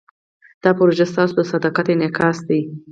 دا پروژه ستاسو د صداقت انعکاس دی.